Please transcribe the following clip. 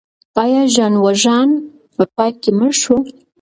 آیا ژان والژان په پای کې مړ شو؟